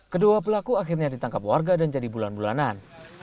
kedua pelaku akhirnya ditangkap warga dan jadi bulan bulanan